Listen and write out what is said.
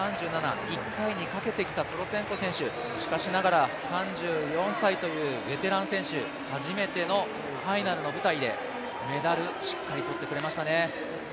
３７、１回にかけてきたプロツェンコ選手しかしながら３４歳というベテラン選手、初めてのファイナルの舞台でメダル、しっかり取ってくれましたね。